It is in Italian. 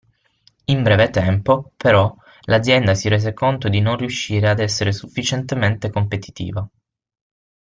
In breve tempo però l'azienda si rese conto di non riuscire ad essere sufficientemente competitiva.